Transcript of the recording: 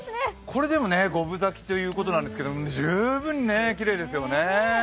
これでも五分咲きということですが、十分きれいですよね。